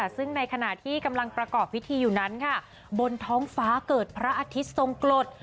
ซึ่งในขณะที่กำลังประกอบพิธีอยู่นั้นค่ะบนท้องฟ้าเกิดพระอาทิตย์ทรงกรด